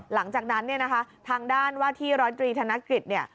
หลังจากนั้นเนี่ยนะคะทางด้านว่าที่ร้อยตรีธนกฤษเนี่ย